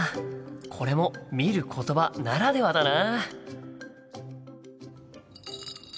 これも「見ることば」ならではだな。